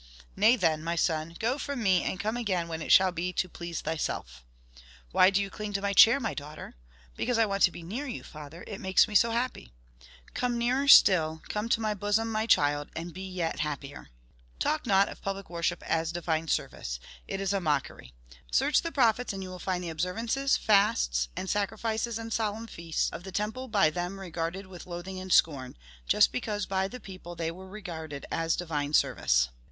'Nay then, my son! go from me, and come again when it shall be to please thyself.' 'Why do you cling to my chair, my daughter? 'Because I want to be near you, father. It makes me so happy!' 'Come nearer still come to my bosom, my child, and be yet happier.' Talk not of public worship as divine service; it is a mockery. Search the prophets and you will find the observances, fasts and sacrifices and solemn feasts, of the temple by them regarded with loathing and scorn, just because by the people they were regarded as DIVINE SERVICE."